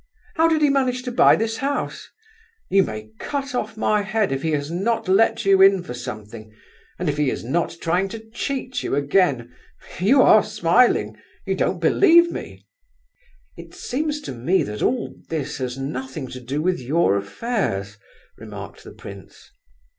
How did he manage to buy this house? You may cut off my head if he has not let you in for something—and if he is not trying to cheat you again. You are smiling. You don't believe me?" "It seems to me that all this has nothing to do with your affairs," remarked the prince.